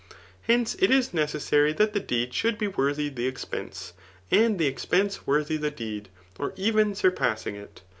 Hence, it is necessary that the deed should be worthy the expense, and the expense worthy the deed, or even surpassing it.